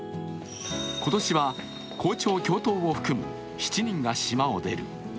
今年は校長、教頭を含む７人が島を出る。